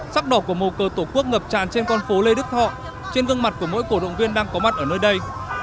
sắc đỏ của mồ cờ tổ quốc ngập tràn trên con phố lê đức thọ trên gương mặt của mỗi cổ động viên đang có mặt ở nơi đây